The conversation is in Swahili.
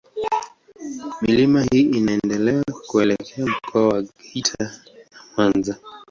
Milima hii inaendelea kuelekea Mkoa wa Geita na Mwanza.